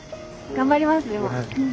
頑張ります。